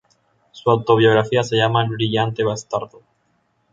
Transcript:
Su autobiografía se llama "El Brillante Bastardo".